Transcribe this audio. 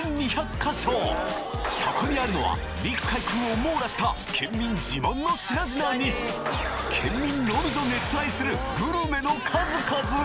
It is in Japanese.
そこにあるのは陸海空を網羅した県民自慢の品々に県民のみぞ熱愛するグルメの数々！